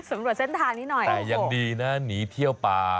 สำรวจเส้นทางนี้หน่อยแต่ยังดีนะหนีเที่ยวป่า